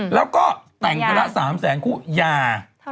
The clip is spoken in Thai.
แล้วก็แต่งแต่ละ๓๐๐๐๐๐คู่ยา